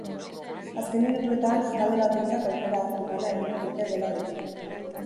Azken minutuetan, talde bakoitzak aukera argi bana eduki dute gola egiteko.